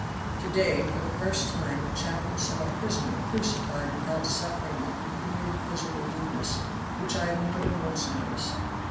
To day for the first time the chaplain saw a prisoner crucified without suffering that peculiar physical weakness which I have more than once noticed.